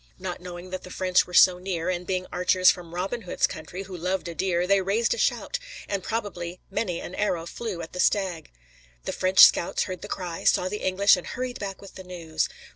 Not knowing that the French were so near, and being archers from Robin Hood's country, who loved a deer, they raised a shout, and probably many an arrow flew at the stag. The French scouts heard the cry, saw the English and hurried back with the news.